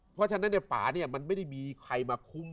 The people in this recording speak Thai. เพราะฉะนั้นในป่าเนี่ยมันไม่ได้มีใครมาคุ้ม